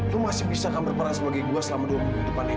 kamila masih bisa berperan sebagai saya selama dua minggu ke depan kan